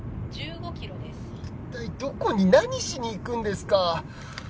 一体どこに何しに行くんですか？